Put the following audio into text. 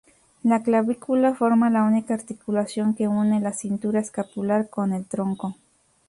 La clavícula forma la única articulación que une la cintura escapular con el tronco.